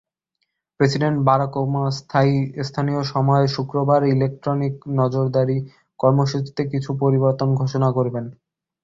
President Barack Obama স্থানীয় সময় শুক্রবার ইলেকট্রনিক নজরদারি কর্মসূচিতে কিছু পরিবর্তন ঘোষণা করবেন।